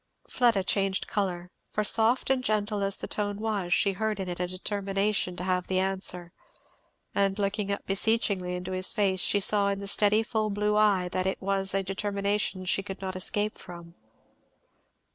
Fleda changed colour, for soft and gentle as the tone was she heard in it a determination to have the answer; and looking up beseechingly into his face she saw in the steady full blue eye that it was a determination she could not escape from.